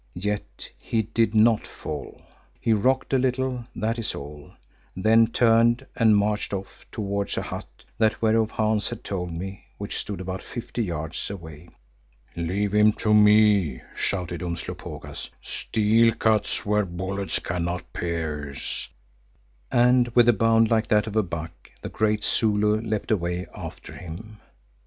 Yet he did not fall. He rocked a little, that is all, then turned and marched off towards a hut, that whereof Hans had told me, which stood about fifty yards away. "Leave him to me," shouted Umslopogaas. "Steel cuts where bullets cannot pierce," and with a bound like to that of a buck, the great Zulu leapt away after him.